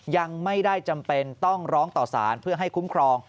ยังไม่ได้จำเป็นต้องร้องต่อสารเพื่อให้คุ้มครอง